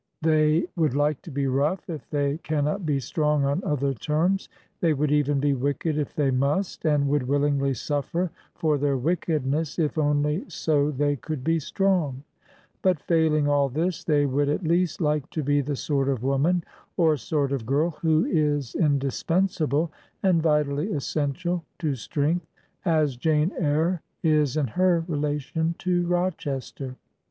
They would like to be rough if they cannot be strong on other terms; they would even be wicked if they must, and would willingly suffer for their wickedness if only so they could be strong. But failing all this, they would at least like to be the sort of woman or sort of girl who is indispensable and vitally essential to strength, as Jane Eyre is in her relation to Rochester.